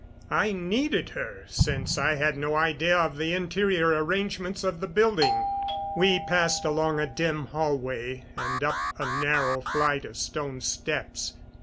I needed her, since I had no idea of the interior arrangements of the building. We passed along a dim hallway and up a narrow flight of stone steps.